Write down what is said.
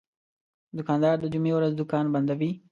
دوکاندار د جمعې ورځ دوکان بندوي.